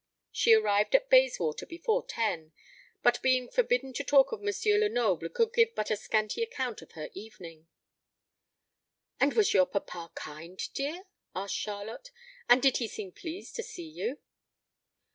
She arrived at Bayswater before ten, but being forbidden to talk of M. Lenoble, could give but a scanty account of her evening. "And was your papa kind, dear?" asked Charlotte, "and did he seem pleased to see you?"